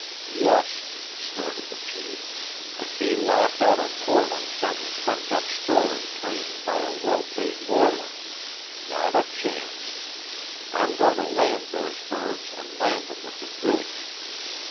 "Yes," snorted the chief, "and be laughed out of court on some trumped up story framed by a well paid lawyer. Not a chance! I'm going to land those birds and land 'em with the goods.